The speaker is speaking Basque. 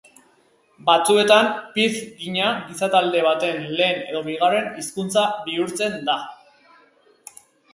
Batzuetan pidgina gizatalde baten lehen edo bigarren hizkuntza bihurtzen da.